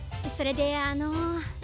それであの。